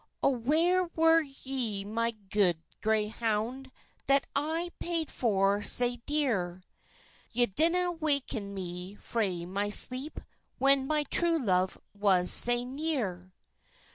"O where were ye my guid grey hound, That I paid for sae dear, Ye didna waken me frae my sleep When my true love was sae near?"